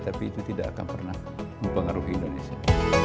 tapi itu tidak akan pernah mempengaruhi indonesia